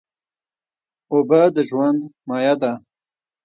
اوبه د ژوند مایه ده.